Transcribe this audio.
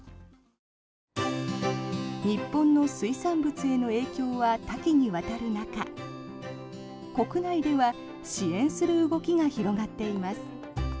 日本の水産物への影響は多岐にわたる中国内では支援する動きが広がっています。